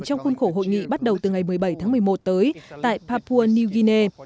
trong khuôn khổ hội nghị bắt đầu từ ngày một mươi bảy tháng một mươi một tới tại papua new guinea